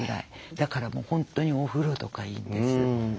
だからもう本当にお風呂とかいいんです。